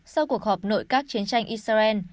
sau cuộc họp nội các chiến tranh israel